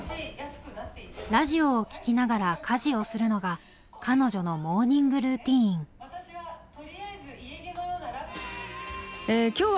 ラジオを聴きながら家事をするのが彼女のモーニングルーチン「結婚相手」。